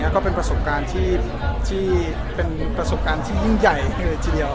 ก็เป็นประสบการณ์ที่ยิ่งใหญ่ในทีเดียว